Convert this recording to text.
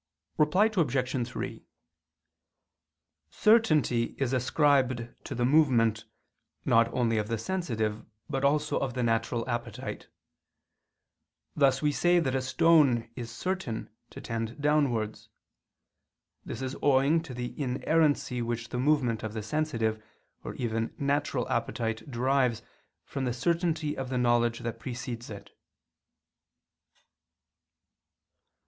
Reply Obj. 3: Certainty is ascribed to the movement, not only of the sensitive, but also of the natural appetite; thus we say that a stone is certain to tend downwards. This is owing to the inerrancy which the movement of the sensitive or even natural appetite derives from the certainty of the knowledge that precedes it.